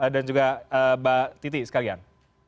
dan juga mbak citi sekalian